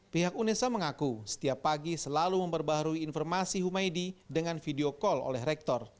pihak unesa mengaku setiap pagi selalu memperbaharui informasi humaydi dengan video call oleh rektor